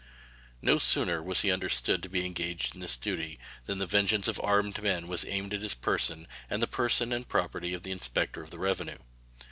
No sooner was he understood to be engaged in this duty than the vengeance of armed men was aimed at his person and the person and property of the inspector of the revenue.